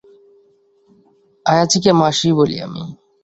আয়াজিকে মাসি বলি আমি।